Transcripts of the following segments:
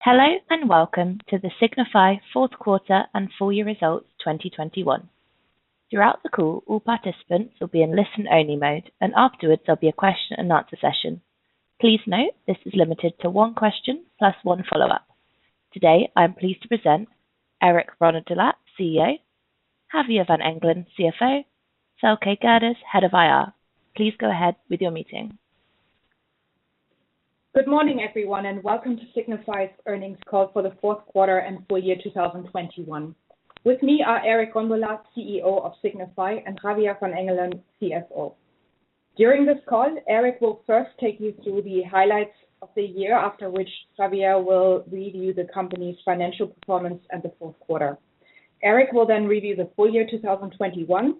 Hello and welcome to the Signify fourth quarter and full-year results 2021. Throughout the call, all participants will be in listen-only mode, and afterwards there'll be a question and answer session. Please note this is limited to one question plus one follow-up. Today, I'm pleased to present Eric Rondolat, CEO, Javier van Engelen, CFO, Thelke Gerdes, Head of IR. Please go ahead with your meeting. Good morning, everyone, and welcome to Signify's earnings call for the fourth quarter and full-year 2021. With me are Eric Rondolat, CEO of Signify, and Javier van Engelen, CFO. During this call, Eric will first take you through the highlights of the year, after which Javier will review the company's financial performance and the fourth quarter. Eric will then review the full-year 2021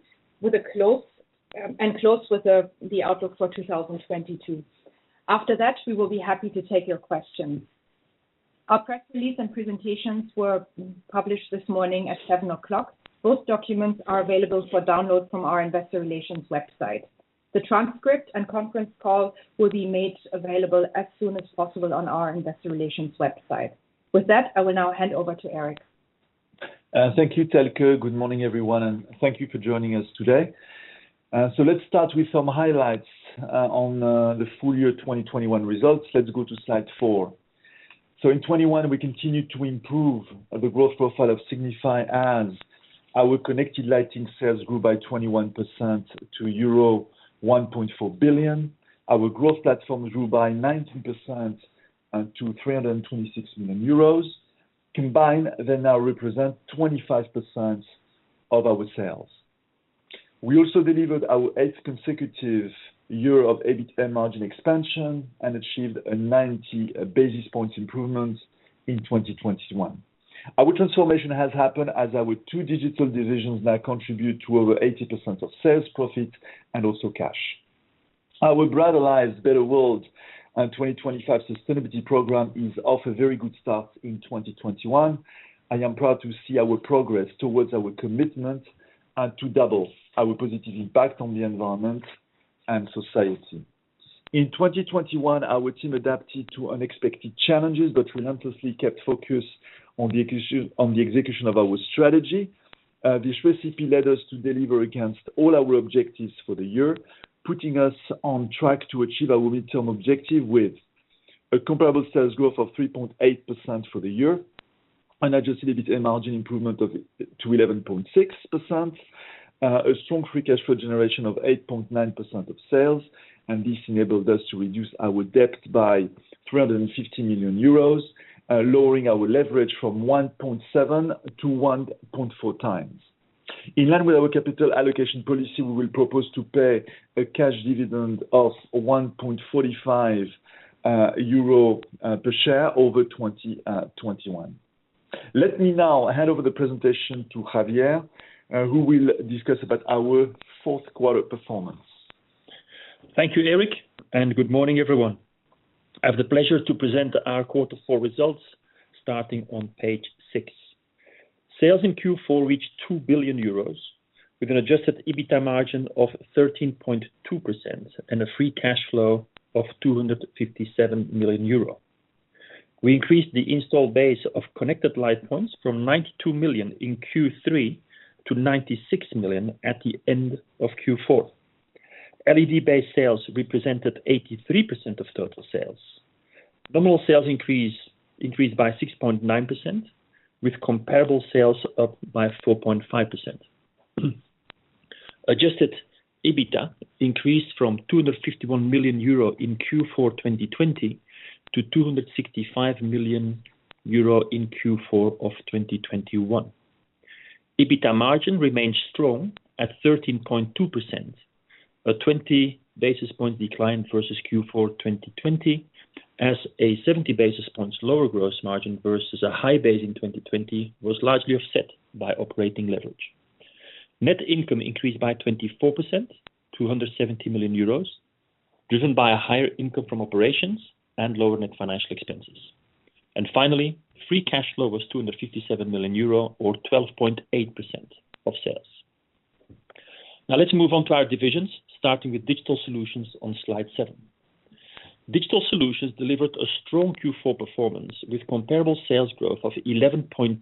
and close with the outlook for 2022. After that, we will be happy to take your questions. Our press release and presentations were published this morning at 7:00 A.M. Both documents are available for download from our investor relations website. The transcript and conference call will be made available as soon as possible on our investor relations website. With that, I will now hand over to Eric. Thank you, Thelke. Good morning, everyone, and thank you for joining us today. Let's start with some highlights on the full-year 2021 results. Let's go to slide four. In 2021, we continued to improve the growth profile of Signify as our connected lighting sales grew by 21% to euro 1.4 billion. Our growth platforms grew by 19% to 326 million euros. Combined, they now represent 25% of our sales. We also delivered our eighth consecutive year of EBITA margin expansion and achieved a 90 basis points improvement in 2021. Our transformation has happened as our two digital divisions now contribute to over 80% of sales, profit, and also cash. Our Brighter Lives, Better World 2025 sustainability program is off a very good start in 2021. I am proud to see our progress towards our commitment and to double our positive impact on the environment and society. In 2021, our team adapted to unexpected challenges but relentlessly kept focus on the execution of our strategy. This recipe led us to deliver against all our objectives for the year, putting us on track to achieve our midterm objective with a comparable sales growth of 3.8% for the year, an adjusted EBITA margin improvement to 11.6%, a strong free cash flow generation of 8.9% of sales, and this enabled us to reduce our debt by 350 million euros, lowering our leverage from 1.7 to 1.4 times. In line with our capital allocation policy, we will propose to pay a cash dividend of 1.45 euro per share over 2021. Let me now hand over the presentation to Javier, who will discuss about our fourth quarter performance. Thank you, Eric, and good morning, everyone. I have the pleasure to present our quarter four results starting on page six. Sales in Q4 reached 2 billion euros with an adjusted EBITA margin of 13.2% and a free cash flow of 257 million euro. We increased the install base of connected light points from 92 million in Q3 to 96 million at the end of Q4. LED-based sales represented 83% of total sales. Normal sales increased by 6.9%, with comparable sales up by 4.5%. Adjusted EBITA increased from EUR 251 million in Q4 2020 to EUR 265 million in Q4 2021. EBITA margin remains strong at 13.2%, a 20 basis point decline versus Q4 2020, as a 70 basis points lower gross margin versus a high base in 2020 was largely offset by operating leverage. Net income increased by 24% to 170 million euros, driven by a higher income from operations and lower net financial expenses. Finally, free cash flow was 257 million euro or 12.8% of sales. Now let's move on to our divisions, starting with Digital Solutions on slide seven. Digital Solutions delivered a strong Q4 performance with comparable sales growth of 11.2%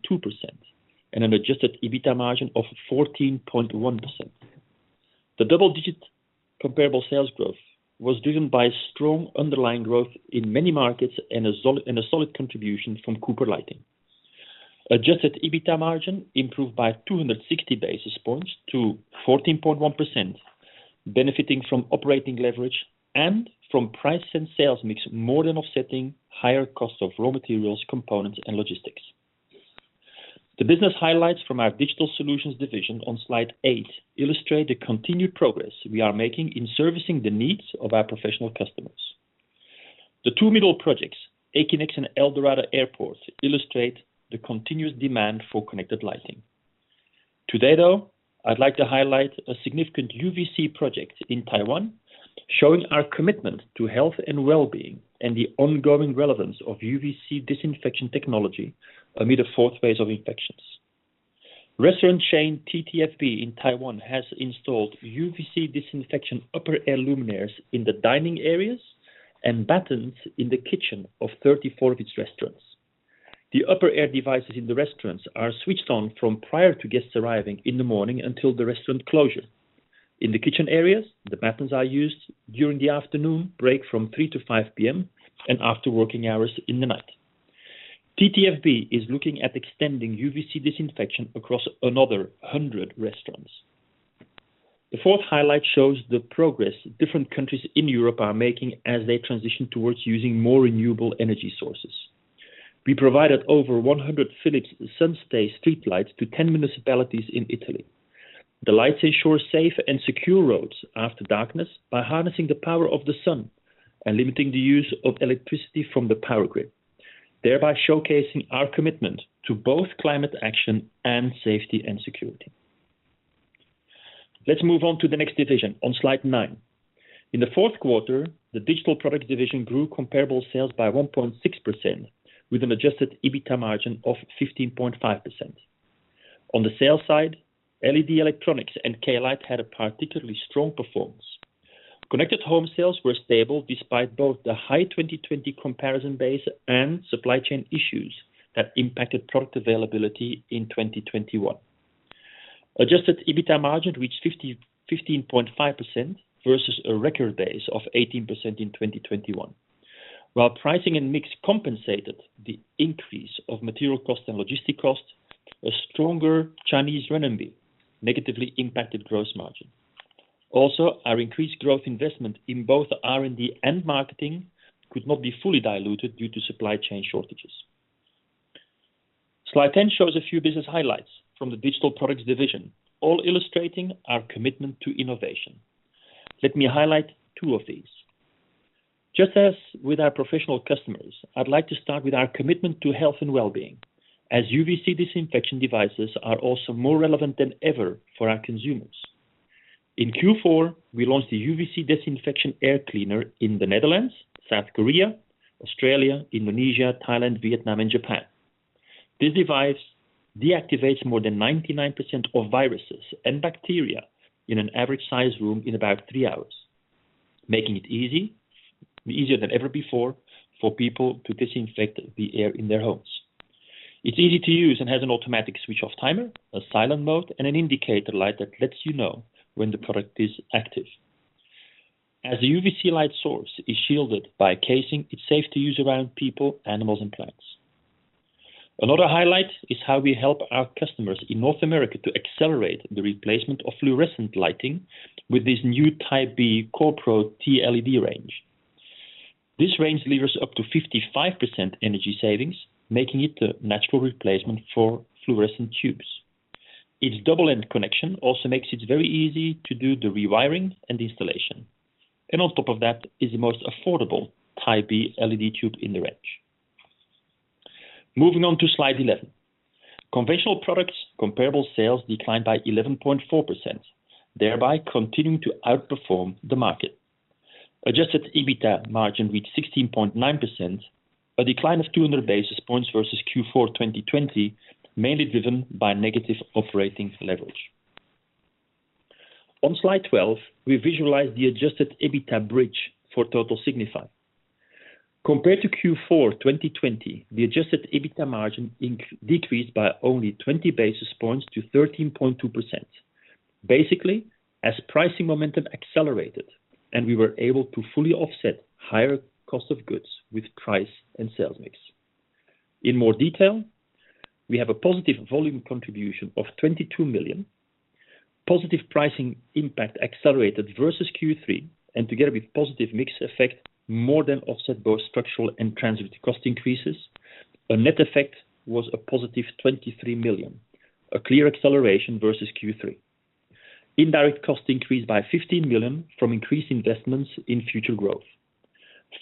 and an adjusted EBITA margin of 14.1%. The double-digit comparable sales growth was driven by strong underlying growth in many markets and a solid contribution from Cooper Lighting. Adjusted EBITA margin improved by 260 basis points to 14.1%, benefiting from operating leverage and from price and sales mix more than offsetting higher costs of raw materials, components, and logistics. The business highlights from our Digital Solutions division on slide eight illustrate the continued progress we are making in servicing the needs of our professional customers. The two middle projects, Akinox and El Dorado Airport, illustrate the continuous demand for connected lighting. Today, though, I'd like to highlight a significant UVC project in Taiwan, showing our commitment to health and well-being and the ongoing relevance of UVC disinfection technology amid a fourth phase of infections. Restaurant chain TTFB in Taiwan has installed UVC disinfection upper air luminaires in the dining areas and battens in the kitchen of 34 of its restaurants. The upper air devices in the restaurants are switched on from prior to guests arriving in the morning until the restaurant closure. In the kitchen areas, the battens are used during the afternoon break from 3 to 5 P.M. and after working hours in the night. TTFB is looking at extending UVC disinfection across another 100 restaurants. The fourth highlight shows the progress different countries in Europe are making as they transition towards using more renewable energy sources. We provided over 100 Philips SunStay streetlights to 10 municipalities in Italy. The lights ensure safe and secure roads after darkness by harnessing the power of the sun and limiting the use of electricity from the power grid, thereby showcasing our commitment to both climate action and safety and security. Let's move on to the next division on slide nine. In the fourth quarter, the Digital Products division grew comparable sales by 1.6% with an adjusted EBITA margin of 15.5%. On the sales side, LED electronics and Klite had a particularly strong performance. Connected home sales were stable despite both the high 2020 comparison base and supply chain issues that impacted product availability in 2021. Adjusted EBITA margin reached 15.5% versus a record base of 18% in 2021. While pricing and mix compensated the increase of material cost and logistic cost, a stronger Chinese renminbi negatively impacted gross margin. Also, our increased growth investment in both R&D and marketing could not be fully diluted due to supply chain shortages. Slide 10 shows a few business highlights from the Digital Products division, all illustrating our commitment to innovation. Let me highlight two of these. Just as with our professional customers, I'd like to start with our commitment to health and well-being, as UVC disinfection devices are also more relevant than ever for our consumers. In Q4, we launched the UVC disinfection air cleaner in the Netherlands, South Korea, Australia, Indonesia, Thailand, Vietnam, and Japan. This device deactivates more than 99% of viruses and bacteria in an average size room in about three hours, making it easy, easier than ever before, for people to disinfect the air in their homes. It's easy to use and has an automatic switch off timer, a silent mode, and an indicator light that lets you know when the product is active. As the UVC light source is shielded by a casing, it's safe to use around people, animals, and plants. Another highlight is how we help our customers in North America to accelerate the replacement of fluorescent lighting with this new Type B CorePro TLED range. This range levers up to 55% energy savings, making it the natural replacement for fluorescent tubes. Its double end connection also makes it very easy to do the rewiring and installation. On top of that is the most affordable Type B LED tube in the range. Moving on to slide 11. Conventional Products comparable sales declined by 11.4%, thereby continuing to outperform the market. Adjusted EBITA margin reached 16.9%, a decline of 200 basis points versus Q4 2020, mainly driven by negative operating leverage. On slide 12, we visualize the adjusted EBITA bridge for total Signify. Compared to Q4 2020, the adjusted EBITA margin decreased by only 20 basis points to 13.2%, basically as pricing momentum accelerated, and we were able to fully offset higher cost of goods with price and sales mix. In more detail, we have a positive volume contribution of 22 million. Positive pricing impact accelerated versus Q3, and together with positive mix effect, more than offset both structural and transitory cost increases. A net effect was a positive 23 million, a clear acceleration versus Q3. Indirect cost increased by 15 million from increased investments in future growth.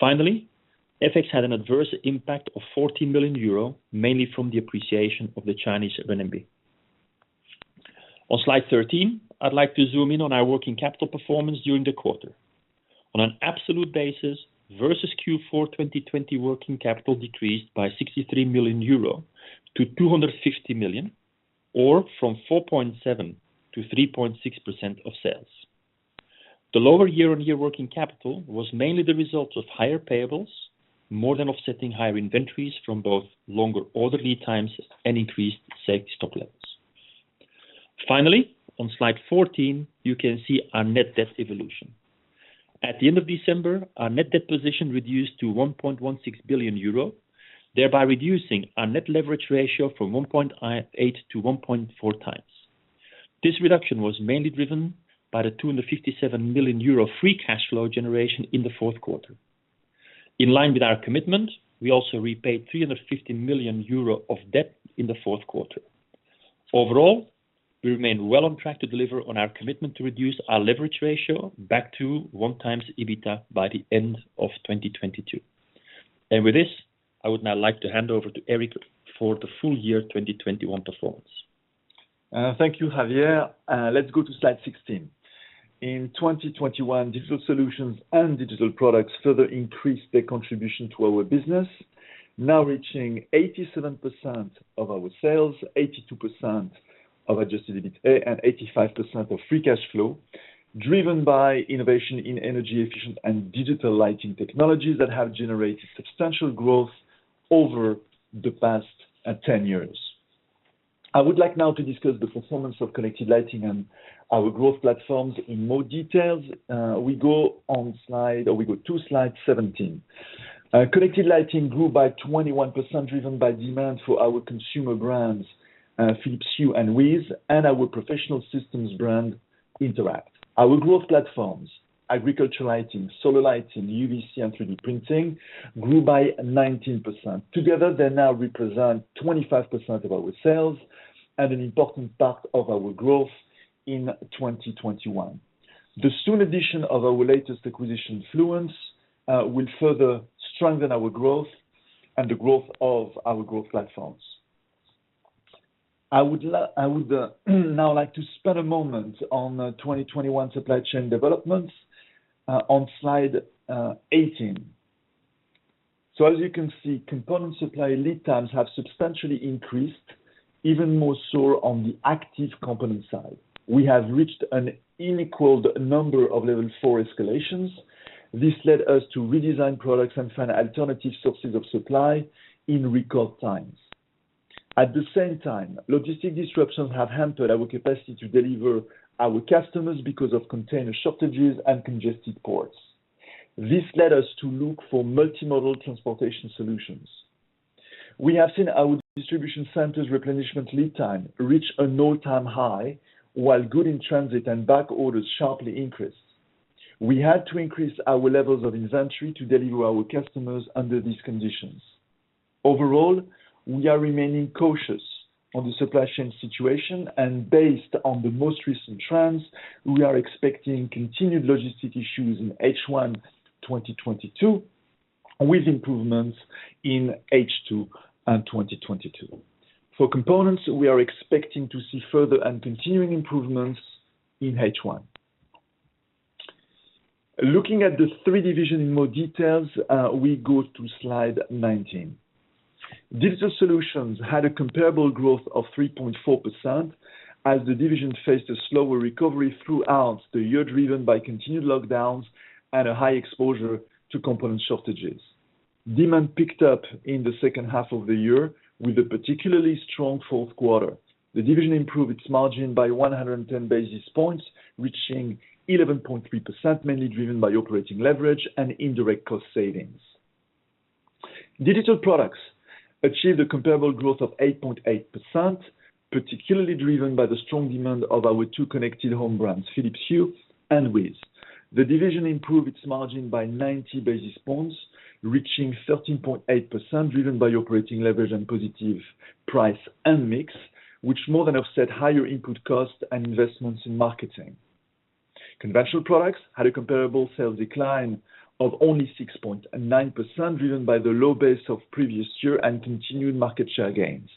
Finally, FX had an adverse impact of EUR 14 million, mainly from the appreciation of the Chinese renminbi. On slide 13, I'd like to zoom in on our working capital performance during the quarter. On an absolute basis versus Q4 2020, working capital decreased by 63 million euro to 250 million, or from 4.7% to 3.6% of sales. The lower year-on-year working capital was mainly the result of higher payables, more than offsetting higher inventories from both longer order lead times and increased safe stock levels. Finally, on slide 14, you can see our net debt evolution. At the end of December, our net debt position reduced to 1.16 billion euro, thereby reducing our net leverage ratio from 1.8 to 1.4 times. This reduction was mainly driven by the 257 million euro free cash flow generation in the fourth quarter. In line with our commitment, we also repaid 350 million euro of debt in the fourth quarter. Overall, we remain well on track to deliver on our commitment to reduce our leverage ratio back to 1x EBITA by the end of 2022. With this, I would now like to hand over to Eric for the full-year 2021 performance. Thank you, Javier. Let's go to slide 16. In 2021, Digital Solutions and Digital Products further increased their contribution to our business, now reaching 87% of our sales, 82% of adjusted EBITA, and 85% of free cash flow, driven by innovation in energy efficient and digital lighting technologies that have generated substantial growth over the past 10 years. I would like now to discuss the performance of connected lighting and our growth platforms in more details. We go to slide 17. Connected lighting grew by 21%, driven by demand for our consumer brands, Philips Hue and WiZ, and our professional systems brand Interact. Our growth platforms, agriculture lighting, solar lighting, UVC and 3D printing grew by 19%. Together, they now represent 25% of our sales and an important part of our growth in 2021. The soon addition of our latest acquisition, Fluence, will further strengthen our growth and the growth of our growth platforms. I would now like to spend a moment on the 2021 supply chain developments, on slide 18. As you can see, component supply lead times have substantially increased even more so on the active component side. We have reached an unequaled number of level four escalations. This led us to redesign products and find alternative sources of supply in record times. At the same time, logistics disruptions have hampered our capacity to deliver our customers because of container shortages and congested ports. This led us to look for multimodal transportation solutions. We have seen our distribution centers' replenishment lead time reach an all-time high, while goods in transit and back orders sharply increased. We had to increase our levels of inventory to deliver our customers under these conditions. Overall, we are remaining cautious on the supply chain situation, and based on the most recent trends, we are expecting continued logistic issues in H1 2022, with improvements in H2 2022. For components, we are expecting to see further and continuing improvements in H1. Looking at the three divisions in more details, we go to slide 19. Digital Solutions had a comparable growth of 3.4% as the division faced a slower recovery throughout the year, driven by continued lockdowns and a high exposure to component shortages. Demand picked up in the second half of the year with a particularly strong fourth quarter. The division improved its margin by 110 basis points, reaching 11.3%, mainly driven by operating leverage and indirect cost savings. Digital Products achieved a comparable growth of 8.8%, particularly driven by the strong demand of our two connected home brands, Philips Hue and WiZ. The division improved its margin by 90 basis points, reaching 13.8%, driven by operating leverage and positive price and mix, which more than offset higher input costs and investments in marketing. Conventional Products had a comparable sales decline of only 6.9%, driven by the low base of previous year and continued market share gains.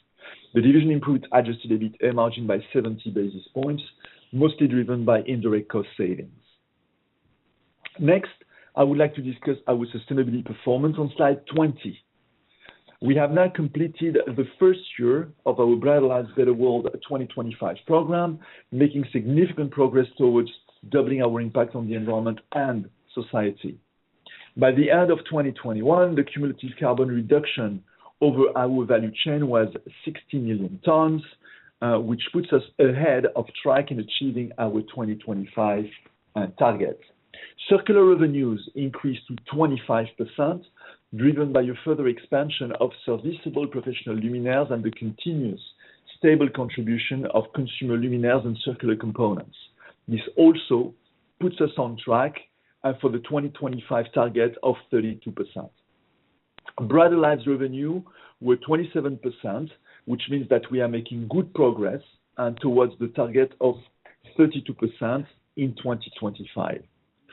The division improved adjusted EBITA margin by 70 basis points, mostly driven by indirect cost savings. Next, I would like to discuss our sustainability performance on slide 20. We have now completed the first year of our Brighter Lives, Better World 2025 program, making significant progress towards doubling our impact on the environment and society. By the end of 2021, the cumulative carbon reduction over our value chain was 60 million tons, which puts us on track in achieving our 2025 target. Circular revenues increased to 25%, driven by a further expansion of serviceable professional luminaires and the continuous stable contribution of consumer luminaires and circular components. This also puts us on track for the 2025 target of 32%. Brighter Lives revenue were 27%, which means that we are making good progress towards the target of 32% in 2025.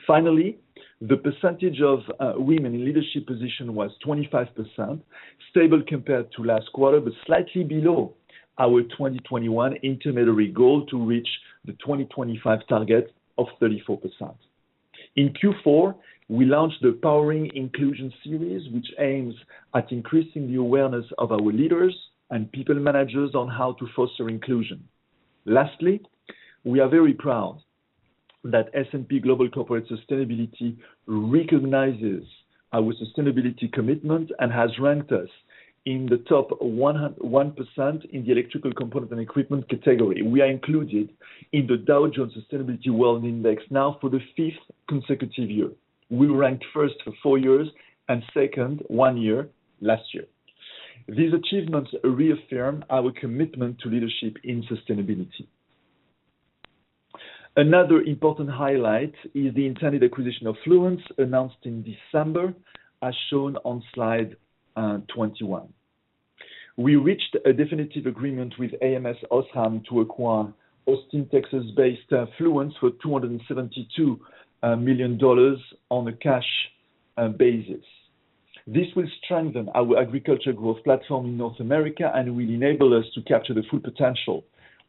Finally, the percentage of women in leadership position was 25%, stable compared to last quarter, but slightly below our 2021 intermediary goal to reach the 2025 target of 34%. In Q4, we launched the Powering Inclusion Series, which aims at increasing the awareness of our leaders and people managers on how to foster inclusion. We are very proud that S&P Global Corporate Sustainability recognizes our sustainability commitment and has ranked us in the top 1% in the electrical component and equipment category. We are included in the Dow Jones Sustainability World Index now for the fifth consecutive year. We ranked first for four years and second one year last year. These achievements reaffirm our commitment to leadership in sustainability. Another important highlight is the intended acquisition of Fluence announced in December, as shown on slide 21. We reached a definitive agreement with ams OSRAM to acquire Austin, Texas-based Fluence for $272 million on a cash basis. This will strengthen our agriculture growth platform in North America and will enable us to capture the full potential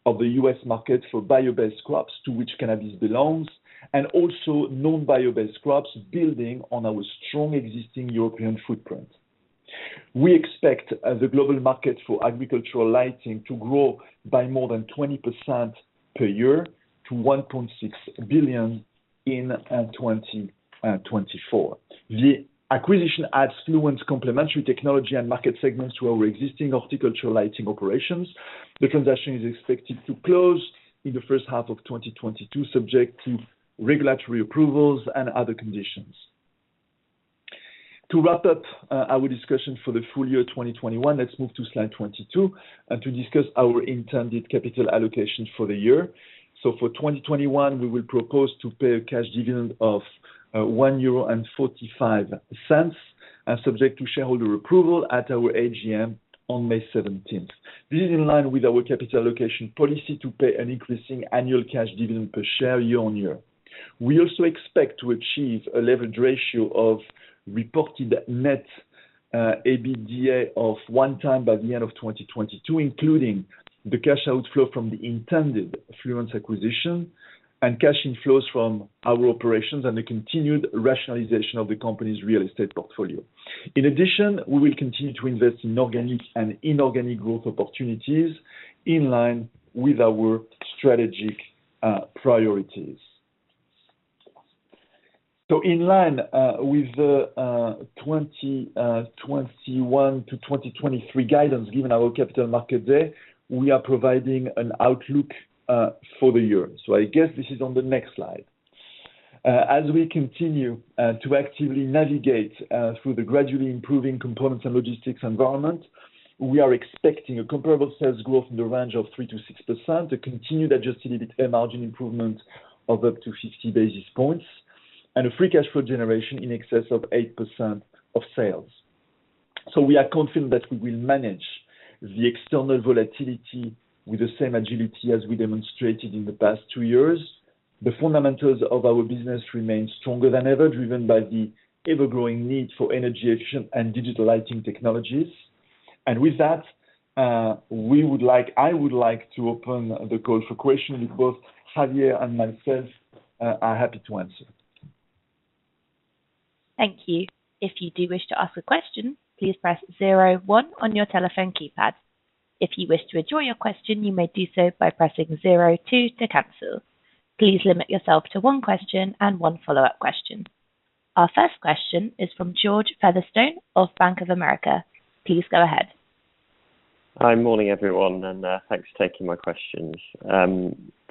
of the U.S. market for bio-based crops to which cannabis belongs, and also non-biobased crops, building on our strong existing European footprint. We expect the global market for agricultural lighting to grow by more than 20% per year to $1.6 billion in 2024. The acquisition adds Fluence complementary technology and market segments to our existing horticultural lighting operations. The transaction is expected to close in the first half of 2022, subject to regulatory approvals and other conditions. To wrap up our discussion for the full-year 2021, let's move to slide 22 and to discuss our intended capital allocation for the year. For 2021, we will propose to pay a cash dividend of 1.45 euro, subject to shareholder approval at our AGM on May 17. This is in line with our capital allocation policy to pay an increasing annual cash dividend per share year on year. We also expect to achieve a leverage ratio of reported net EBITDA of 1x by the end of 2022, including the cash outflow from the intended Fluence acquisition and cash inflows from our operations and the continued rationalization of the company's real estate portfolio. In addition, we will continue to invest in organic and inorganic growth opportunities in line with our strategic priorities. In line with the 2021 to 2023 guidance, given our capital market day, we are providing an outlook for the year. I guess this is on the next slide. As we continue to actively navigate through the gradually improving components and logistics environment, we are expecting a comparable sales growth in the range of 3%-6% to continue the adjusted EBITA margin improvement of up to 60 basis points and a free cash flow generation in excess of 8% of sales. We are confident that we will manage the external volatility with the same agility as we demonstrated in the past two years. The fundamentals of our business remain stronger than ever, driven by the ever-growing need for energy efficient and digital lighting technologies. With that, I would like to open the call for questions, and both Javier and myself are happy to answer. Thank you. If you do wish to ask a question, please press zero one on your telephone keypad. If you wish to withdraw your question, you may do so by pressing zero two to cancel. Please limit yourself to one question and one follow-up question. Our first question is from George Featherstone of Bank of America. Please go ahead. Hi. Morning, everyone, and thanks for taking my questions.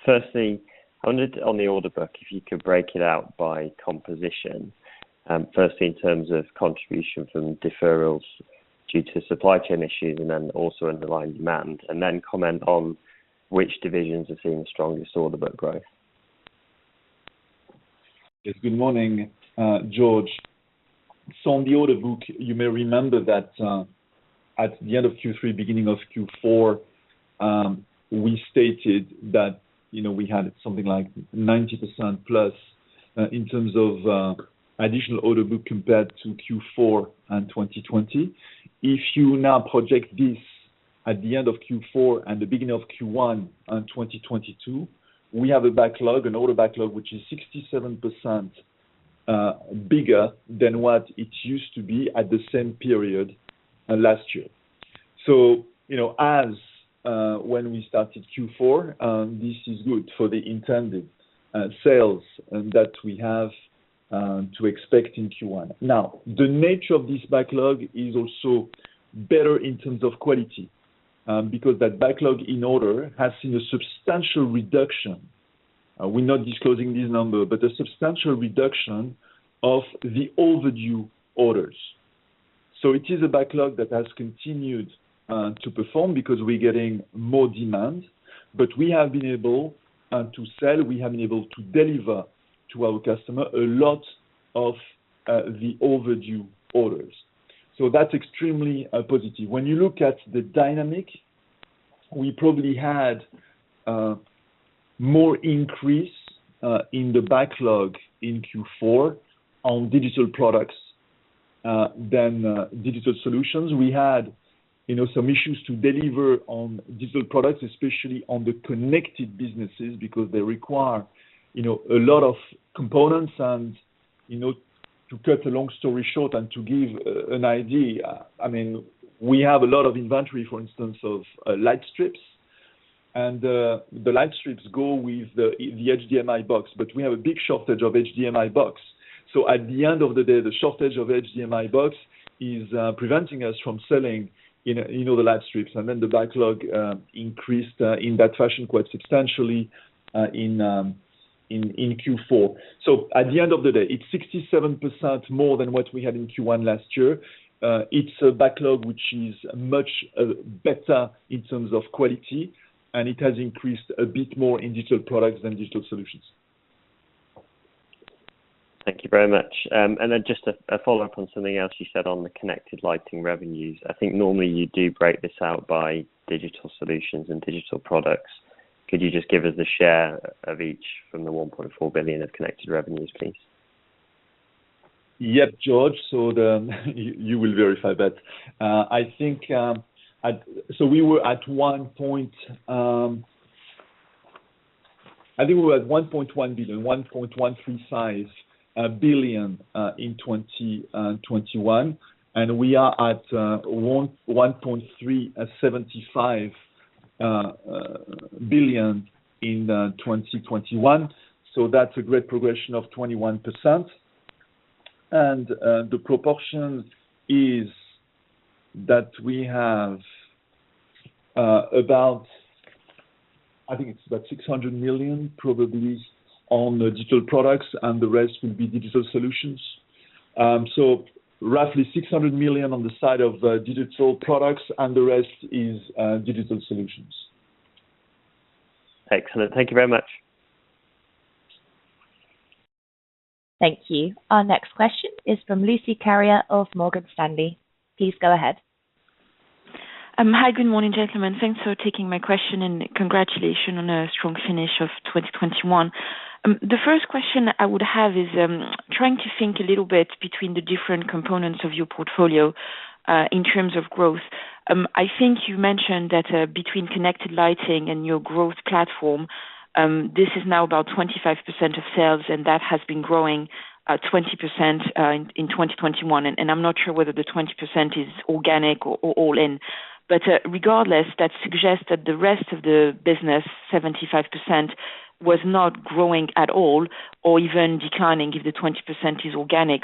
Firstly, I wondered on the order book, if you could break it out by composition, firstly in terms of contribution from deferrals due to supply chain issues and then also underlying demand. Then comment on which divisions are seeing the strongest order book growth. Yes. Good morning, George. On the order book, you may remember that, at the end of Q3, beginning of Q4, we stated that, you know, we had something like 90% plus, in terms of additional order book compared to Q4 in 2020. If you now project this at the end of Q4 and the beginning of Q1 in 2022, we have a backlog, an order backlog, which is 67% bigger than what it used to be at the same period last year. You know, as when we started Q4, this is good for the intended sales that we have to expect in Q1. Now, the nature of this backlog is also better in terms of quality, because that backlog in order has seen a substantial reduction. We're not disclosing this number, but a substantial reduction of the overdue orders. It is a backlog that has continued to perform because we're getting more demand, but we have been able to deliver to our customer a lot of the overdue orders. That's extremely positive. When you look at the dynamic, we probably had more increase in the backlog in Q4 on Digital Products than Digital Solutions. We had, you know, some issues to deliver on Digital Products, especially on the connected businesses, because they require, you know, a lot of components. You know, to cut a long story short and to give an idea, I mean, we have a lot of inventory, for instance, of light strips. The light strips go with the HDMI box, but we have a big shortage of HDMI box. At the end of the day, the shortage of HDMI box is preventing us from selling, you know, the light strips. The backlog increased in that fashion quite substantially in Q4. At the end of the day, it's 67% more than what we had in Q1 last year. It's a backlog which is much better in terms of quality, and it has increased a bit more in Digital Products than Digital Solutions. Thank you very much. Just a follow-up on something else you said on the connected lighting revenues. I think normally you do break this out by Digital Solutions and Digital Products. Could you just give us the share of each from the 1.4 billion of connected revenues, please? Yep, George. You will verify that. I think at one point we were at 1.135 billion in 2020. We are at 1.375 billion in 2021. That's a great progression of 21%. The proportion is that we have about 600 million probably on Digital Products, and the rest will be Digital Solutions. Roughly 600 million on the side of Digital Products and the rest is Digital Solutions. Excellent. Thank you very much. Thank you. Our next question is from Lucie Carrier of Morgan Stanley. Please go ahead. Hi, good morning, gentlemen. Thanks for taking my question and congratulations on a strong finish of 2021. The first question I would have is trying to think a little bit between the different components of your portfolio in terms of growth. I think you mentioned that between connected lighting and your growth platform this is now about 25% of sales, and that has been growing 20% in 2021. I'm not sure whether the 20% is organic or all in. Regardless, that suggests that the rest of the business, 75%, was not growing at all or even declining if the 20% is organic.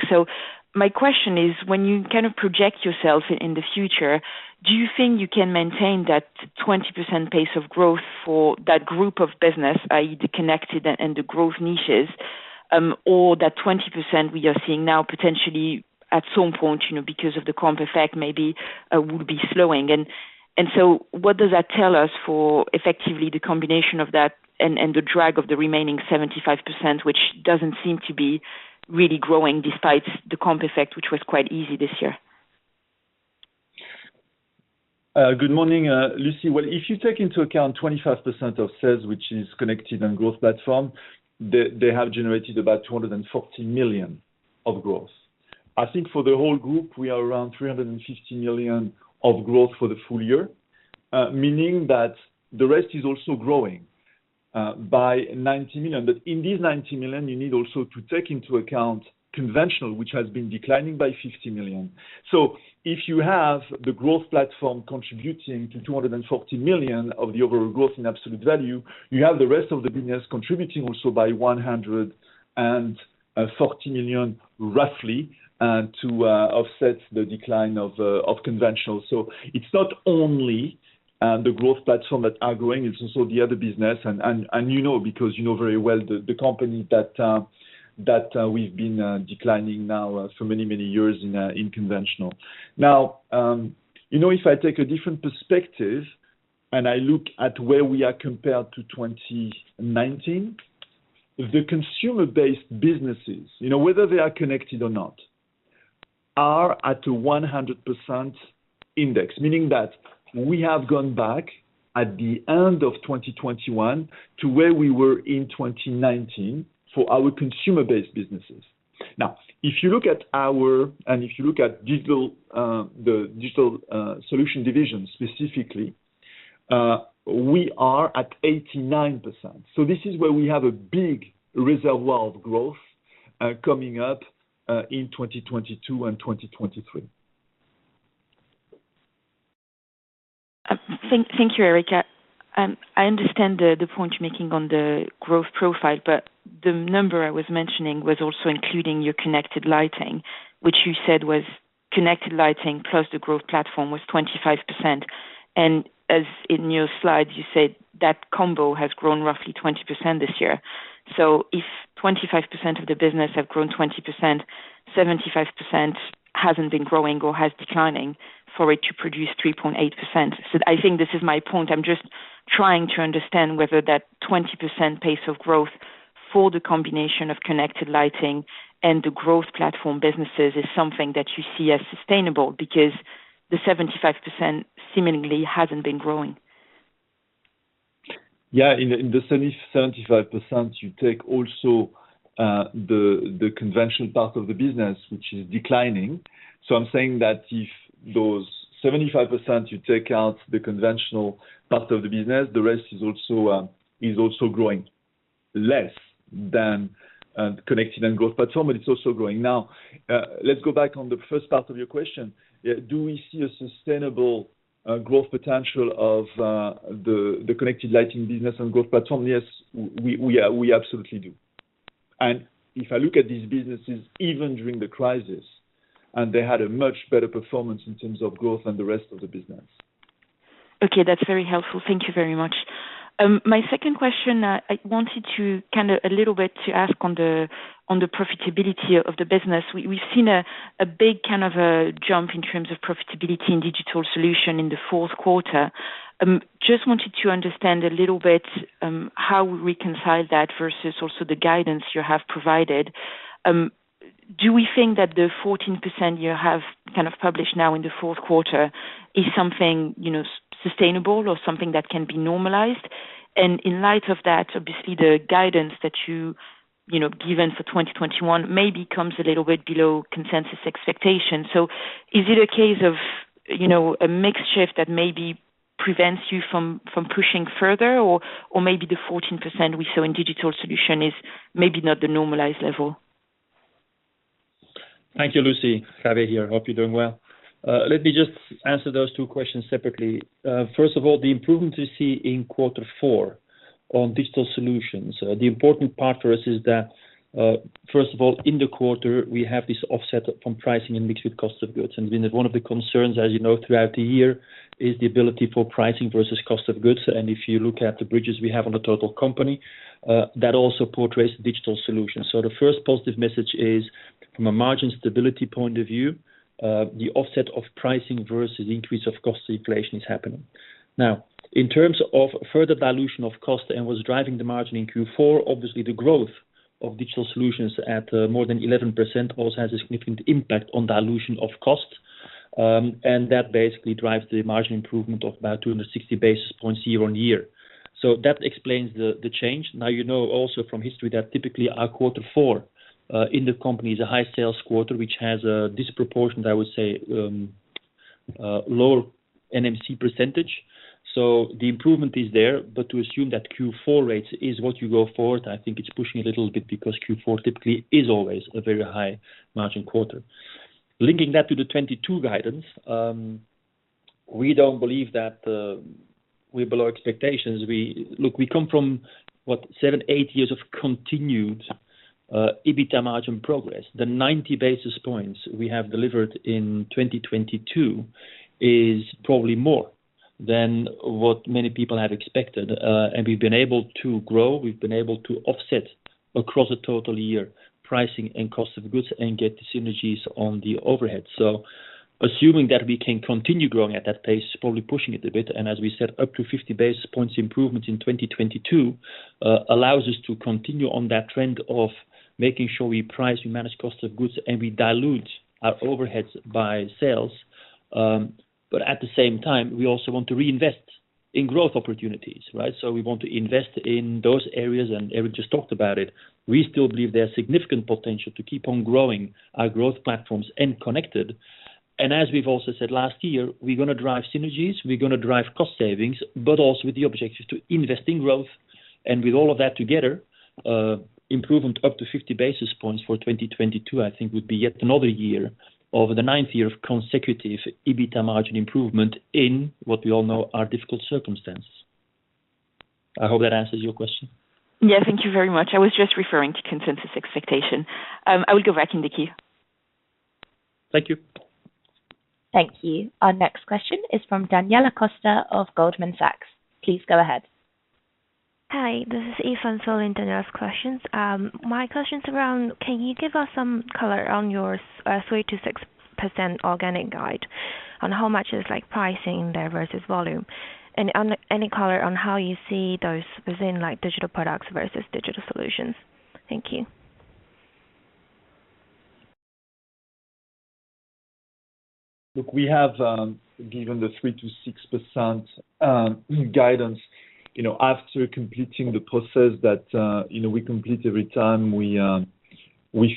My question is, when you kind of project yourself in the future, do you think you can maintain that 20% pace of growth for that group of business, i.e., the connected and the growth niches, or that 20% we are seeing now potentially at some point, you know, because of the comp effect maybe, will be slowing? What does that tell us for effectively the combination of that and the drag of the remaining 75%, which doesn't seem to be really growing despite the comp effect, which was quite easy this year? Good morning, Lucie. Well, if you take into account 25% of sales, which is connected and growth platform, they have generated about 240 million of growth. I think for the whole group, we are around 350 million of growth for the full-year, meaning that the rest is also growing by 90 million. But in this 90 million, you need also to take into account conventional, which has been declining by 50 million. If you have the growth platform contributing to 240 million of the overall growth in absolute value, you have the rest of the business contributing also by 140 million roughly, to offset the decline of conventional. It's not only the growth platform that are growing, it's also the other business and you know, because you know very well the company that we've been declining now for many, many years in Conventional. Now you know, if I take a different perspective and I look at where we are compared to 2019, the consumer-based businesses, you know, whether they are connected or not, are at a 100% index, meaning that we have gone back at the end of 2021 to where we were in 2019 for our consumer-based businesses. Now, if you look at Digital, the Digital Solutions division specifically, we are at 89%. This is where we have a big reservoir of growth, coming up, in 2022 and 2023. Thank you, Eric. I understand the point you're making on the growth profile, but the number I was mentioning was also including your connected lighting, which you said was connected lighting plus the growth platform was 25%. As in your slide, you said that combo has grown roughly 20% this year. If 25% of the business have grown 20%, 75% hasn't been growing or has declining for it to produce 3.8%. I think this is my point. I'm just trying to understand whether that 20% pace of growth for the combination of connected lighting and the growth platform businesses is something that you see as sustainable because the 75% seemingly hasn't been growing. Yeah. In the 75%, you take also the conventional part of the business, which is declining. I'm saying that if those 75% you take out the conventional part of the business, the rest is also growing less than connected and growth platform, but it's also growing. Now, let's go back on the first part of your question. Do we see a sustainable growth potential of the connected lighting business and growth platform? Yes, we absolutely do. If I look at these businesses, even during the crisis, they had a much better performance in terms of growth than the rest of the business. Okay. That's very helpful. Thank you very much. My second question, I wanted to kind of a little bit ask on the profitability of the business. We've seen a big kind of a jump in terms of profitability in Digital Solutions in the fourth quarter. Just wanted to understand a little bit, how we reconcile that versus also the guidance you have provided. Do we think that the 14% you have kind of published now in the fourth quarter is something, you know, sustainable or something that can be normalized? And in light of that, obviously the guidance that you know given for 2021 maybe comes a little bit below consensus expectations. Is it a case of, you know, a mix shift that maybe prevents you from pushing further? Maybe the 14% we saw in Digital Solutions is maybe not the normalized level. Thank you, Lucie. Javier van Engelen here. Hope you're doing well. Let me just answer those two questions separately. First of all, the improvement we see in quarter four on Digital Solutions, the important part for us is that, first of all, in the quarter, we have this offset from pricing and mixed with cost of goods. One of the concerns, as you know, throughout the year, is the ability for pricing versus cost of goods. If you look at the bridges we have on the total company, that also portrays Digital Solutions. The first positive message is from a margin stability point of view, the offset of pricing versus increase of cost inflation is happening. Now, in terms of further dilution of cost and what's driving the margin in Q4, obviously the growth of Digital Solutions at more than 11% also has a significant impact on dilution of cost. And that basically drives the margin improvement of about 260 basis points year-on-year. So that explains the change. Now, you know also from history that typically our quarter four in the company is a high sales quarter, which has a disproportionately lower NMC percentage. So the improvement is there. But to assume that Q4 rates is what you go forward, I think it's pushing a little bit because Q4 typically is always a very high margin quarter. Linking that to the 2022 guidance, we don't believe that we're below expectations. We come from, what? Seven to eight years of continued EBITDA margin progress. The 90 basis points we have delivered in 2022 is probably more than what many people had expected. We've been able to grow, we've been able to offset across a total year pricing and cost of goods and get the synergies on the overhead. Assuming that we can continue growing at that pace, probably pushing it a bit, and as we said, up to 50 basis points improvement in 2022, allows us to continue on that trend of making sure we price, we manage cost of goods, and we dilute our overheads by sales. At the same time, we also want to reinvest in growth opportunities, right? We want to invest in those areas, and Eric just talked about it. We still believe there's significant potential to keep on growing our growth platforms and connected. As we've also said last year, we're gonna drive synergies, we're gonna drive cost savings, but also with the objective to invest in growth. With all of that together, improvement up to 50 basis points for 2022, I think would be yet another year over the ninth year of consecutive EBITDA margin improvement in what we all know are difficult circumstances. I hope that answers your question. Yeah, thank you very much. I was just referring to consensus expectation. I will go back in the queue. Thank you. Thank you. Our next question is from of Daniela Costa of Goldman Sachs. Please go ahead. Hi, this is Eva following Daniela's questions. My question is around can you give us some color on your 3%-6% organic guide on how much is like pricing there versus volume? And any color on how you see those within like Digital Products versus Digital Solutions? Thank you. Look, we have given the 3%-6% guidance, you know, after completing the process that, you know, we complete every time we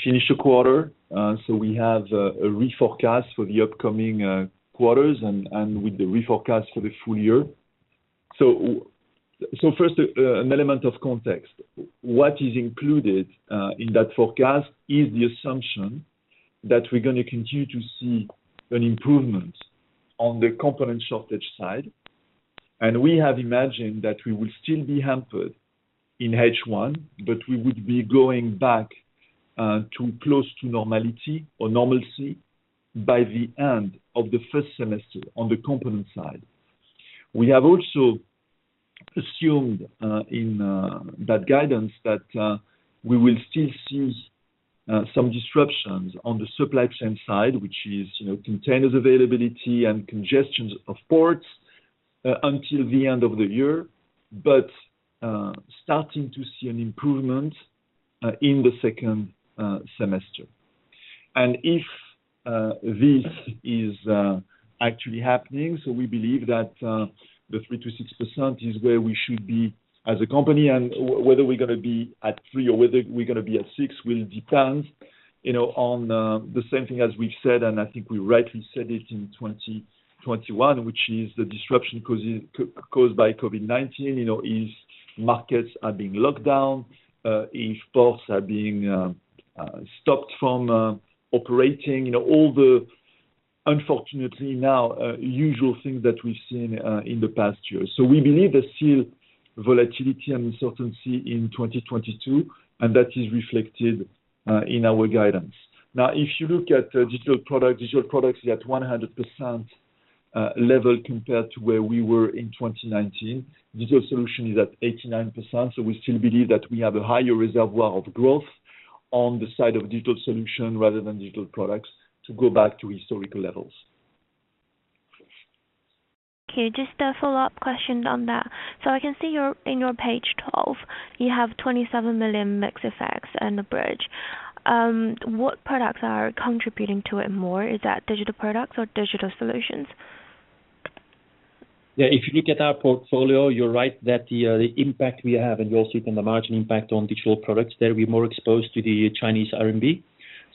finish a quarter. We have a reforecast for the upcoming quarters and with the reforecast for the full-year. First, an element of context. What is included in that forecast is the assumption that we're gonna continue to see an improvement on the component shortage side. We have imagined that we will still be hampered in H1, but we would be going back to close to normality or normalcy by the end of the first semester on the component side. We have also assumed in that guidance that we will still see some disruptions on the supply chain side, which is, you know, containers availability and congestions of ports until the end of the year, but starting to see an improvement in the second semester. If this is actually happening, we believe that the 3%-6% is where we should be as a company. Whether we're gonna be at three or whether we're gonna be at six will depend, you know, on the same thing as we've said, and I think we rightly said it in 2021, which is the disruption caused by COVID-19. You know, if markets are being locked down, if ports are being stopped from operating, you know, all the unfortunately now usual things that we've seen in the past year. We believe there's still volatility and uncertainty in 2022, and that is reflected in our guidance. Now, if you look at Digital Products, we are at 100% level compared to where we were in 2019. Digital Solutions is at 89%. We still believe that we have a higher reservoir of growth on the side of Digital Solutions rather than Digital Products to go back to historical levels. Okay, just a follow-up question on that. I can see you in your page 12, you have 27 million mix effects and the bridge. What products are contributing to it more? Is that Digital Products or Digital Solutions? Yeah. If you look at our portfolio, you're right that the impact we have, and you also see from the margin impact on Digital Products that we're more exposed to the Chinese RMB.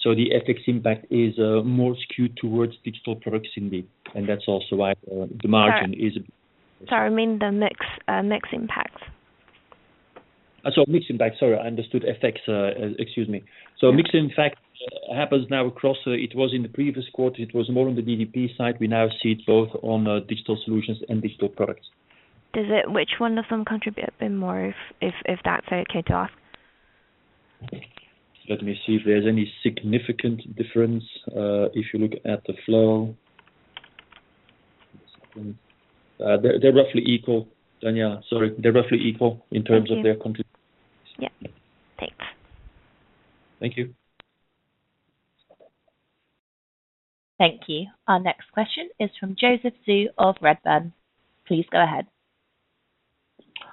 So the FX impact is more skewed towards Digital Products. That's also why the margin is- Sorry, I mean the mix impact. Mix impact. Sorry, I understood FX. Excuse me. Yeah. Mix impact happens now across. It was in the previous quarter, it was more on the DDP side. We now see it both on Digital Solutions and Digital Products. Which one of them contribute a bit more if that's okay to ask? Let me see if there's any significant difference if you look at the flow. They're roughly equal, Danya. Sorry. They're roughly equal. Thank you. In terms of their contribution. Yeah. Thanks. Thank you. Thank you. Our next question is from Joseph Zhou of Redburn. Please go ahead.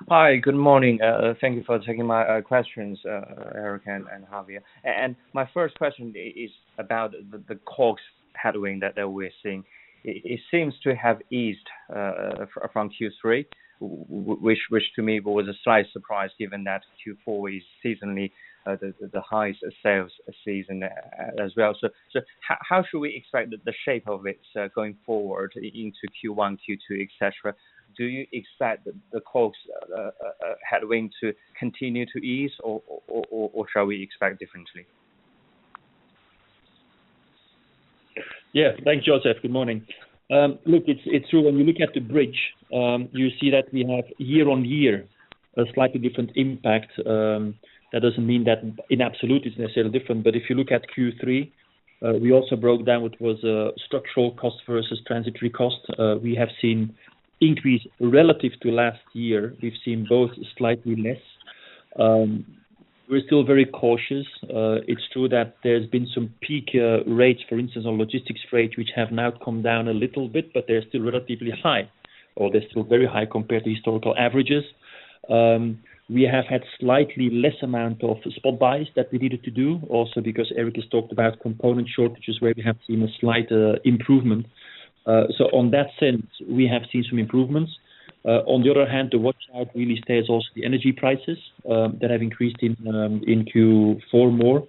Hi. Good morning. Thank you for taking my questions, Eric and Javier. My first question is about the costs headwind that we're seeing. It seems to have eased from Q3 which to me was a slight surprise given that Q4 is seasonally the highest sales season as well. How should we expect the shape of it going forward into Q1, Q2, et cetera? Do you expect the costs headwind to continue to ease or shall we expect differently? Yeah. Thanks, Joseph. Good morning. Look, it's true when you look at the bridge, you see that we have year-on-year a slightly different impact. That doesn't mean that in absolute it's necessarily different, but if you look at Q3, we also broke down what was structural cost versus transitory cost. We have seen an increase relative to last year. We've seen both slightly less. We're still very cautious. It's true that there's been some peak rates, for instance on logistics freight, which have now come down a little bit, but they're still relatively high, or they're still very high compared to historical averages. We have had slightly less amount of spot buys that we needed to do also because Eric has talked about component shortages where we have seen a slight improvement. In that sense, we have seen some improvements. On the other hand, the watch out really stays also the energy prices that have increased in Q4 more.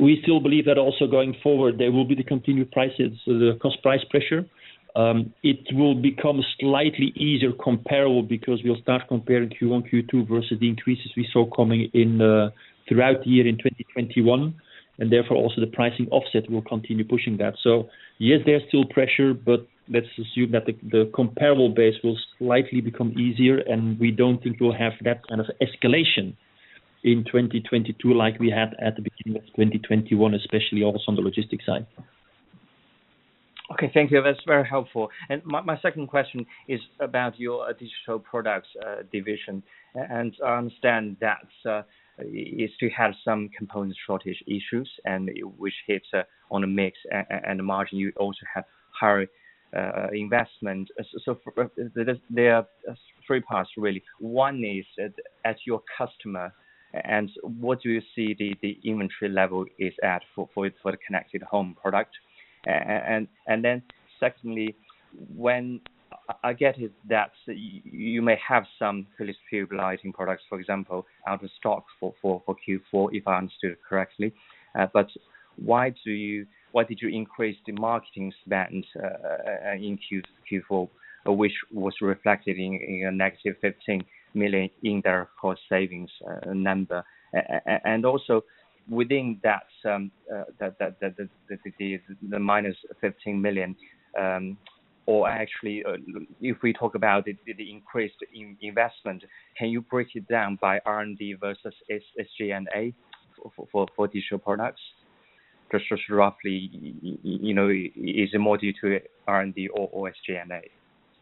We still believe that also going forward there will be the continued prices, the cost price pressure. It will become slightly easier comparable because we'll start comparing Q1, Q2 versus the increases we saw coming in throughout the year in 2021, and therefore also the pricing offset will continue pushing that. Yes, there's still pressure, but let's assume that the comparable base will slightly become easier, and we don't think we'll have that kind of escalation in 2022 like we had at the beginning of 2021, especially also on the logistics side. Okay. Thank you. That's very helpful. My second question is about your Digital Products division. I understand that it still has some component shortage issues and which hits on the mix and the margin. You also have higher investment. There are three parts really. One is as your customer and what do you see the inventory level is at for the connected home product? Secondly, I get it that you may have some Philips Hue lighting products, for example, out of stock for Q4, if I understood correctly. Why did you increase the marketing spend in Q4 which was reflected in a negative 15 million in their cost savings number? Also within that, the -15 million, or actually, if we talk about the increase in investment, can you break it down by R&D versus SG&A for Digital Products? Just roughly, you know, is it more due to R&D or SG&A?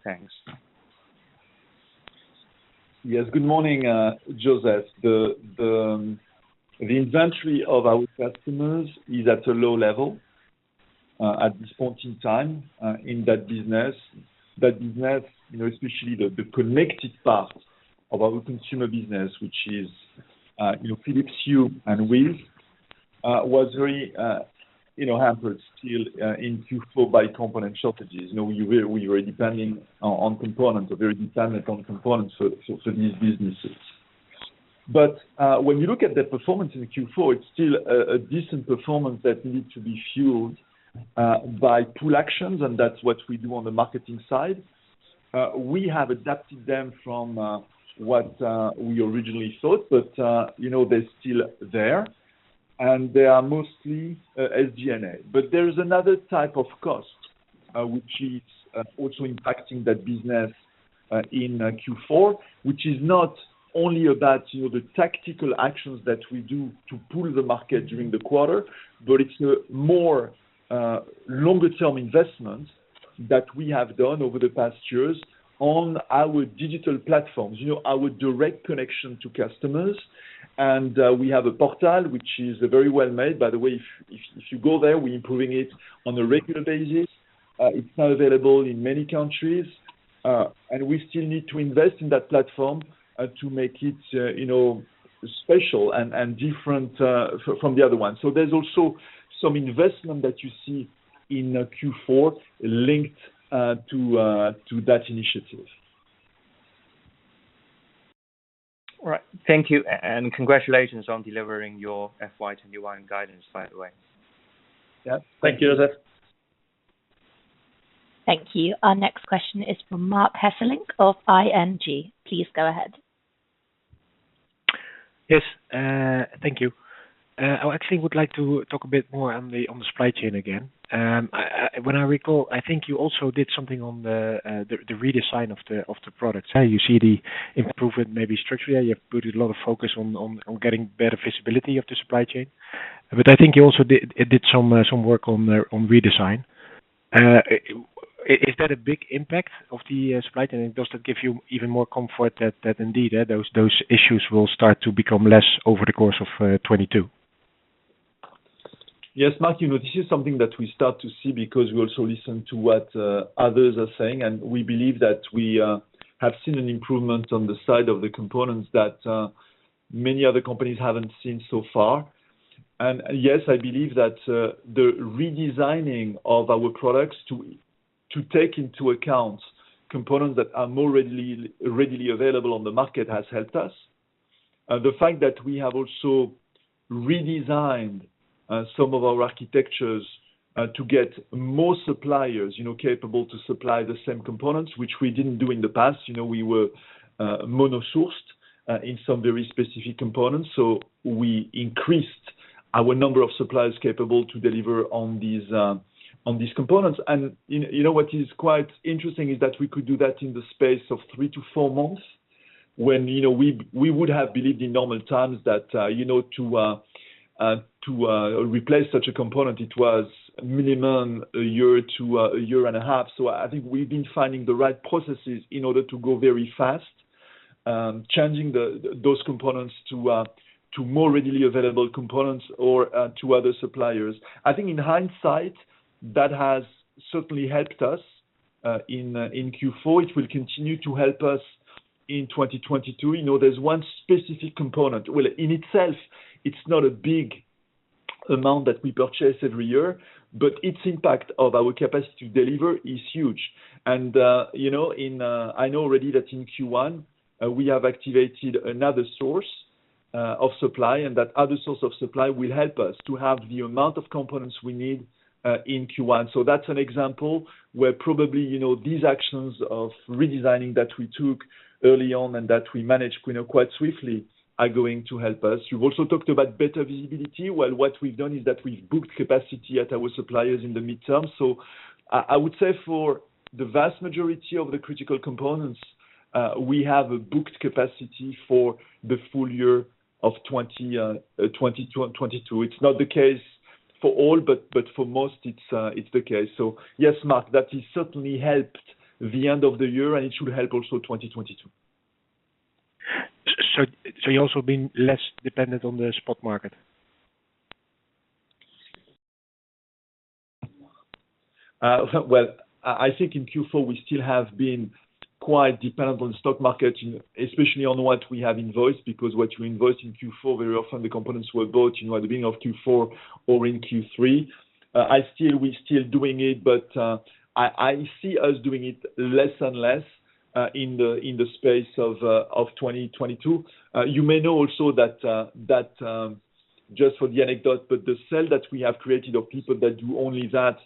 Thanks. Yes. Good morning, Joseph. The inventory of our customers is at a low level at this point in time in that business. That business, you know, especially the connected part of our consumer business, which is, you know, Philips Hue and WiZ, was very, you know, hampered still in Q4 by component shortages. You know, we were depending on components or very dependent on components for these businesses. When you look at the performance in Q4, it's still a decent performance that needs to be fueled by pull actions, and that's what we do on the marketing side. We have adapted them from what we originally thought, you know, they're still there and they are mostly SG&A. There is another type of cost, which is also impacting that business in Q4, which is not only about, you know, the tactical actions that we do to pull the market during the quarter, but it's a more longer term investment that we have done over the past years. On our digital platforms, you know, our direct connection to customers. We have a portal which is very well made, by the way. If you go there, we're improving it on a regular basis. It's now available in many countries. We still need to invest in that platform to make it, you know, special and different from the other ones. There's also some investment that you see in Q4 linked to that initiative. All right. Thank you, and congratulations on delivering your FY 2021 guidance, by the way. Yeah. Thank you, Joseph. Thank you. Our next question is from Marc Hesselink of ING. Please go ahead. Yes, thank you. I actually would like to talk a bit more on the supply chain again. When I recall, I think you also did something on the redesign of the products. How you see the improvement, maybe structurally, you have put a lot of focus on getting better visibility of the supply chain. I think you also did some work on redesign. Is that a big impact on the supply chain, and does that give you even more comfort that indeed those issues will start to become less over the course of 2022? Yes, Marc, you know, this is something that we start to see because we also listen to what others are saying, and we believe that we have seen an improvement on the side of the components that many other companies haven't seen so far. Yes, I believe that the redesigning of our products to take into account components that are more readily available on the market has helped us. The fact that we have also redesigned some of our architectures to get more suppliers, you know, capable to supply the same components which we didn't do in the past. You know, we were mono-sourced in some very specific components. We increased our number of suppliers capable to deliver on these components. You know what is quite interesting is that we could do that in the space of three to four months when you know we would have believed in normal times that to replace such a component it was minimum one year to a year and half. I think we've been finding the right processes in order to go very fast changing those components to more readily available components or to other suppliers. I think in hindsight that has certainly helped us in Q4. It will continue to help us in 2022. You know there's one specific component. Well in itself it's not a big amount that we purchase every year but its impact on our capacity to deliver is huge. You know in I know already that in Q1, we have activated another source of supply, and that other source of supply will help us to have the amount of components we need in Q1. That's an example where probably, you know, these actions of redesigning that we took early on and that we managed, you know, quite swiftly are going to help us. You've also talked about better visibility. Well, what we've done is that we've booked capacity at our suppliers in the midterm. I would say for the vast majority of the critical components, we have a booked capacity for the full-year of 2022 and 2023. It's not the case for all, but for most it's the case. Yes, Mark, that has certainly helped the end of the year, and it should help also 2022. you also been less dependent on the spot market? Well, I think in Q4 we still have been quite dependent on spot market, especially on what we have invoiced, because what you invoice in Q4, very often the components were bought, you know, at the beginning of Q4 or in Q3. We're still doing it, but I see us doing it less and less in the space of 2022. You may know also that just for the anecdote, the cell that we have created of people that do only that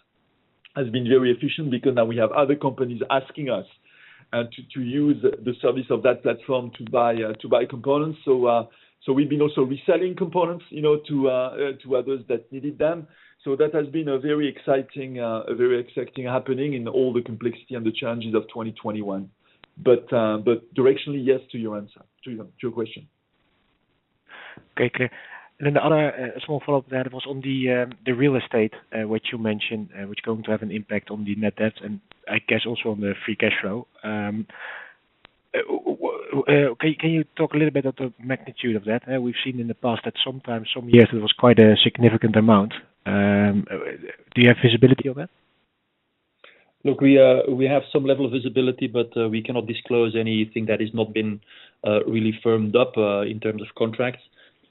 has been very efficient because now we have other companies asking us to use the service of that platform to buy components. We've also been reselling components, you know, to others that needed them. That has been a very exciting happening in all the complexity and the challenges of 2021. Directionally, yes to your answer to your question. Okay, clear. The other small follow-up there was on the real estate, which you mentioned, which is going to have an impact on the net debt and I guess also on the free cash flow. Can you talk a little bit about the magnitude of that? We've seen in the past that sometimes some years it was quite a significant amount. Do you have visibility on that? Look, we have some level of visibility, but we cannot disclose anything that has not been really firmed up in terms of contracts.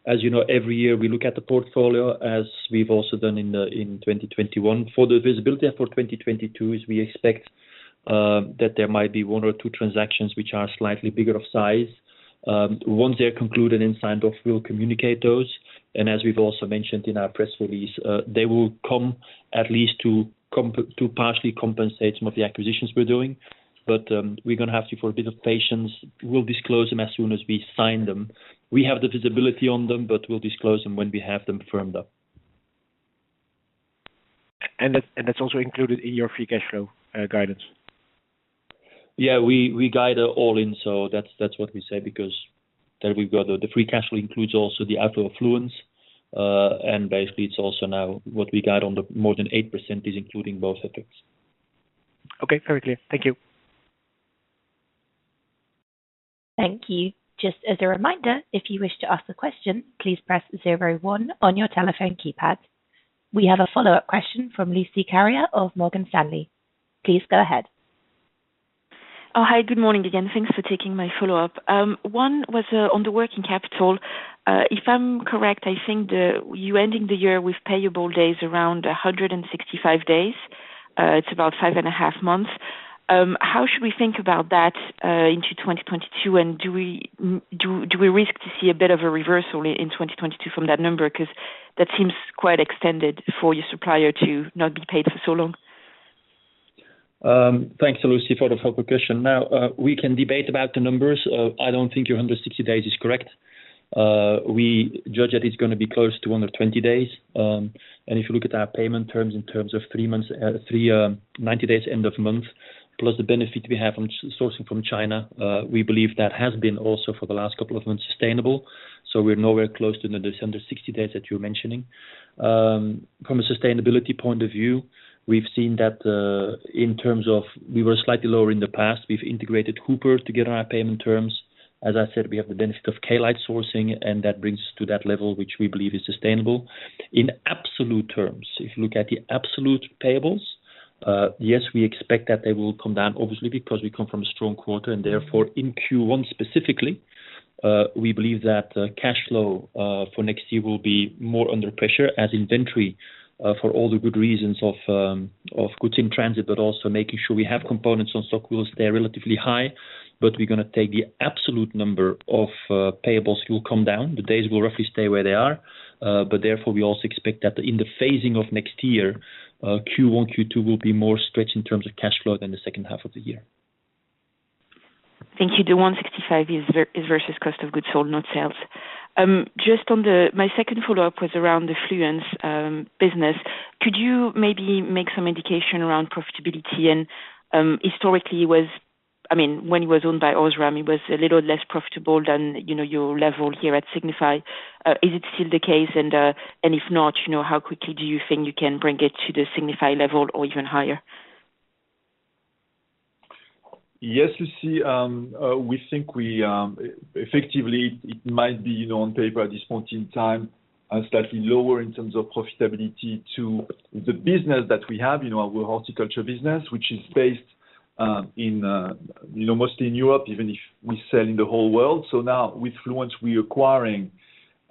As you know, every year we look at the portfolio as we've also done in 2021. For the visibility and for 2022 is we expect that there might be one or two transactions which are slightly bigger of size. Once they are concluded and signed off, we'll communicate those. As we've also mentioned in our press release, they will come at least to partially compensate some of the acquisitions we're doing. We're gonna have to for a bit of patience. We'll disclose them as soon as we sign them. We have the visibility on them, but we'll disclose them when we have them firmed up. That's also included in your free cash flow guidance? Yeah. We guide all in, so that's what we say because there we've got the free cash flow includes also the outflow Fluence. Basically, it's also now what we got on the more than 8% is including both effects. Okay, very clear. Thank you. Thank you. Just as a reminder, if you wish to ask a question, please press zero one on your telephone keypad. We have a follow-up question from Lucie Carriat of Morgan Stanley. Please go ahead. Oh, hi, good morning again. Thanks for taking my follow-up. One was on the working capital. If I'm correct, I think you're ending the year with payable days around 165 days. It's about five and a half months. How should we think about that into 2022? Do we risk to see a bit of a reversal in 2022 from that number? 'Cause that seems quite extended for your supplier to not get paid for so long. Thanks, Lucie, for the follow-up question. Now, we can debate about the numbers. I don't think your 160 days is correct. We judge that it's gonna be close to under 20 days. If you look at our payment terms in terms of three months, 90 days end of month, plus the benefit we have from sourcing from China, we believe that has been also for the last couple of months sustainable. We're nowhere close to the under 60 days that you're mentioning. From a sustainability point of view, we've seen that, in terms of we were slightly lower in the past. We've integrated Cooper to get on our payment terms. As I said, we have the benefit of Klite sourcing, and that brings us to that level, which we believe is sustainable. In absolute terms, if you look at the absolute payables, yes, we expect that they will come down, obviously, because we come from a strong quarter, and therefore in Q1 specifically, we believe that cash flow for next year will be more under pressure as inventory for all the good reasons of goods in transit, but also making sure we have components on stock will stay relatively high. We're gonna take the absolute number of payables will come down. The days will roughly stay where they are. Therefore, we also expect that in the phasing of next year, Q1, Q2 will be more stretched in terms of cash flow than the second half of the year. Thank you. The 165 is versus cost of goods sold, not sales. My second follow-up was around the Fluence business. Could you maybe make some indication around profitability? Historically, I mean, when it was owned by Osram, it was a little less profitable than, you know, your level here at Signify. Is it still the case? And if not, you know, how quickly do you think you can bring it to the Signify level or even higher? Yes, Lucie. We think effectively it might be, you know, on paper at this point in time, slightly lower in terms of profitability to the business that we have, you know, our horticulture business, which is based in, you know, mostly in Europe, even if we sell in the whole world. Now with Fluence, we're acquiring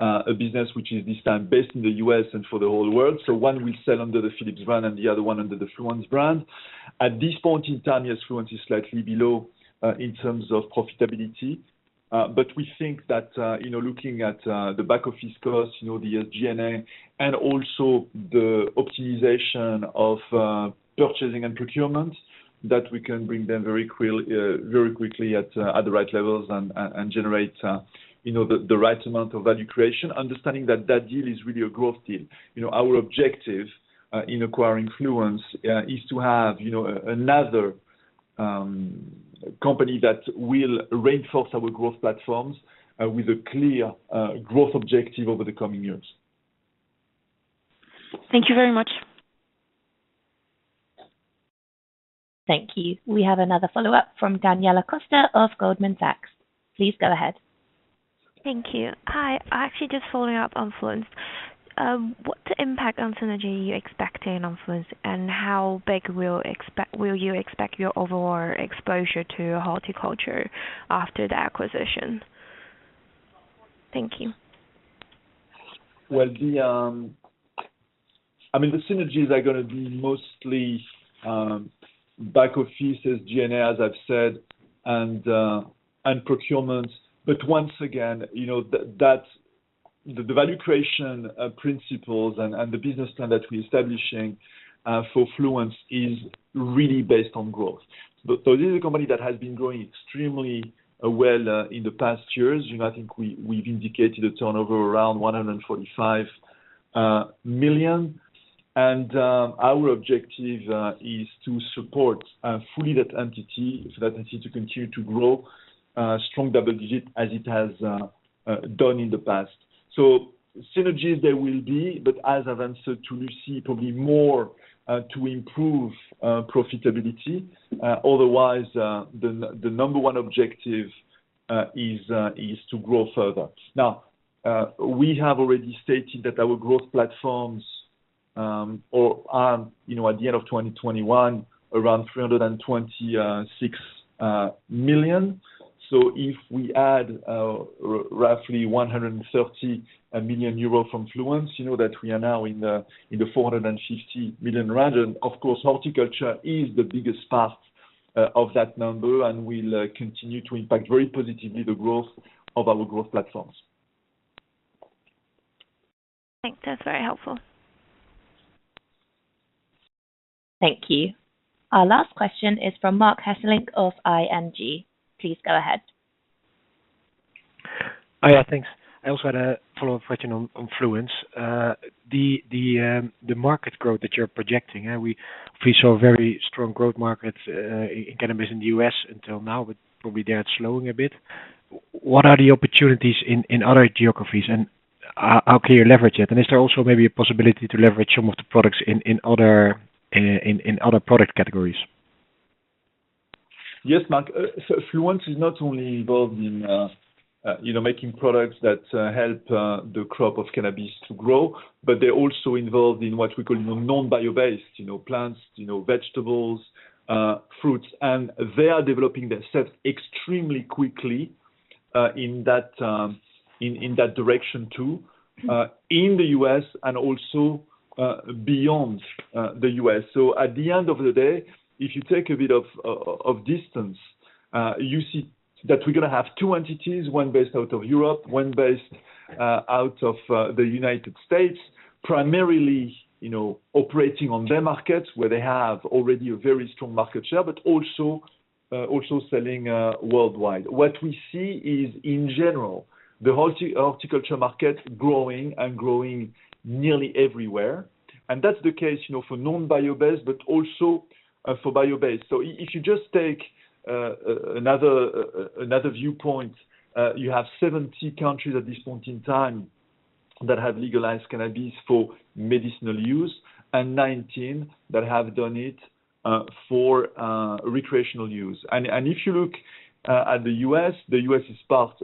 a business which is this time based in the U.S. and for the whole world. One will sell under the Philips brand and the other one under the Fluence brand. At this point in time, yes, Fluence is slightly below in terms of profitability. We think that, you know, looking at the back office costs, you know, the G&A and also the optimization of purchasing and procurement, that we can bring them very quickly at the right levels and generate, you know, the right amount of value creation, understanding that that deal is really a growth deal. You know, our objective in acquiring Fluence is to have, you know, another company that will reinforce our growth platforms with a clear growth objective over the coming years. Thank you very much. Thank you. We have another follow-up from Daniela Costa of Goldman Sachs. Please go ahead. Thank you. Hi. Actually just following up on Fluence. What impact on synergy are you expecting on Fluence, and how big will you expect your overall exposure to horticulture after the acquisition? Thank you. Well, I mean, the synergies are gonna be mostly back offices, G&A, as I've said, and procurements. Once again, you know, that's the value creation principles and the business plan that we're establishing for Fluence is really based on growth. This is a company that has been growing extremely well in the past years. You know, I think we've indicated a turnover around 145 million. Our objective is to support fully that entity, for that entity to continue to grow strong double digit as it has done in the past. Synergies there will be, but as I've answered to Lucie, probably more to improve profitability. Otherwise, the number one objective is to grow further. Now, we have already stated that our growth platforms are, you know, at the end of 2021, around 326 million. So if we add roughly 130 million euro from Fluence, you know that we are now in the 450 million. Of course, horticulture is the biggest part of that number and will continue to impact very positively the growth of our growth platforms. Thanks. That's very helpful. Thank you. Our last question is from Marc Hesselink of ING. Please go ahead. Oh, yeah, thanks. I also had a follow-up question on Fluence, the market growth that you're projecting. We saw very strong growth markets in cannabis in the U.S. until now, but probably they are slowing a bit. What are the opportunities in other geographies and how can you leverage it? Is there also maybe a possibility to leverage some of the products in other product categories? Yes, Marc. Fluence is not only involved in, you know, making products that help the crop of cannabis to grow, but they're also involved in what we call non-bio-based, you know, plants, you know, vegetables, fruits. They are developing themselves extremely quickly in that direction too in the U.S. and also beyond the U.S. At the end of the day, if you take a bit of distance, you see that we're gonna have two entities, one based out of Europe, one based out of the United States, primarily, you know, operating on their markets where they have already a very strong market share, but also selling worldwide. What we see is in general, the horticulture market growing and growing nearly everywhere. That's the case, you know, for non-biobased, but also for biobased. If you just take another viewpoint, you have 70 countries at this point in time that have legalized cannabis for medicinal use and 19 that have done it for recreational use. If you look at the U.S., the U.S. is part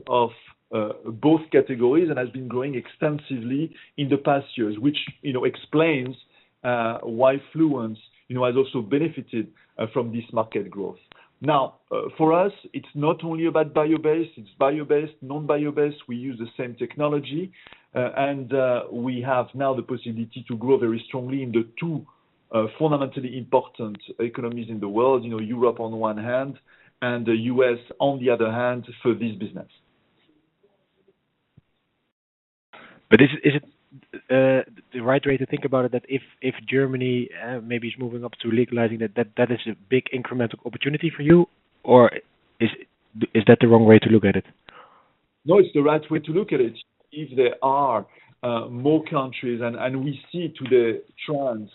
of both categories and has been growing extensively in the past years, which, you know, explains why Fluence, you know, has also benefited from this market growth. Now, for us, it's not only about biobased, it's biobased, non-biobased. We use the same technology, and we have now the possibility to grow very strongly in the two fundamentally important economies in the world, you know, Europe on one hand and the U.S. on the other hand for this business. Is it the right way to think about it that if Germany maybe is moving up to legalizing that is a big incremental opportunity for you? Or is that the wrong way to look at it? No, it's the right way to look at it. If there are more countries and we see to the trends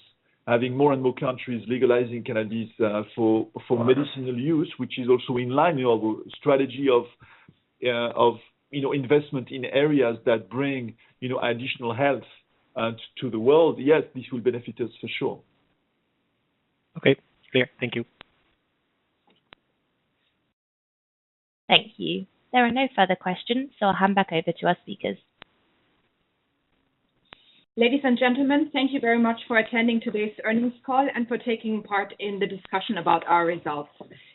having more and more countries legalizing cannabis for medicinal use, which is also in line, you know, strategy of, you know, investment in areas that bring, you know, additional health to the world. Yes, this will benefit us for sure. Okay. Clear. Thank you. Thank you. There are no further questions, so I'll hand back over to our speakers. Ladies and gentlemen, thank you very much for attending today's earnings call and for taking part in the discussion about our results.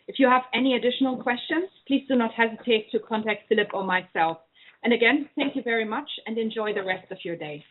If you have any additional questions, please do not hesitate to contact Philip or myself. Again, thank you very much and enjoy the rest of your day.